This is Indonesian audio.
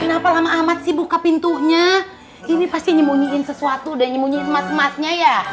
kenapa lama amat sih buka pintunya ini pasti nyemunyiin sesuatu udah nyembunyiin emas emasnya ya